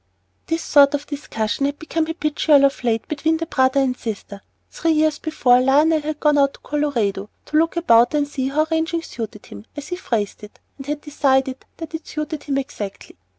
This sort of discussion had become habitual of late between the brother and sister. Three years before, Lionel had gone out to Colorado, to "look about and see how ranching suited him," as he phrased it, and had decided that it suited him exactly.